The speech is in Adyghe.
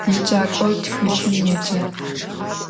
Yêcak'or txılhım yêce.